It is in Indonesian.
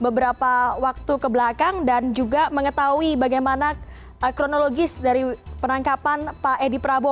beberapa waktu kebelakang dan juga mengetahui bagaimana kronologis dari penangkapan pak edi prabowo